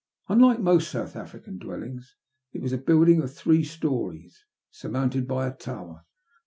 Unlike most South African dwellings, it was a building of three stories, sur mounted by a tower.